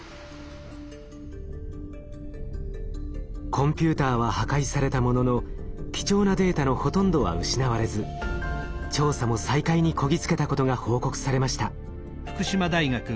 コンピューターは破壊されたものの貴重なデータのほとんどは失われず調査も再開にこぎ着けたことが報告されました。